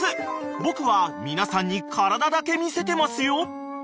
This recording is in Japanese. ［僕は皆さんに体だけ見せてますよ］